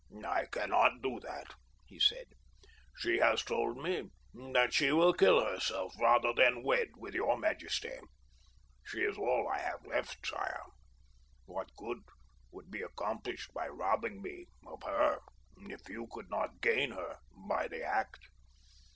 "I cannot do that," he said. "She has told me that she will kill herself rather than wed with your majesty. She is all I have left, sire. What good would be accomplished by robbing me of her if you could not gain her by the act?